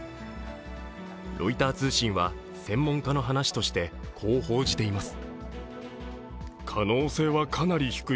ロイター通信は専門家の話としてこう報じています。